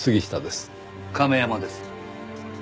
亀山です。